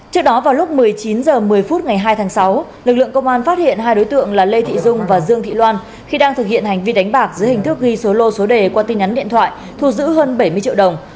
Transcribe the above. trước đó vào lúc một mươi chín h một mươi phút ngày hai tháng sáu lực lượng công an phát hiện hai đối tượng là lê thị dung và dương thị loan khi đang thực hiện hành vi đánh bạc dưới hình thức ghi số lô số đề qua tin nhắn điện thoại thu giữ hơn bảy mươi triệu đồng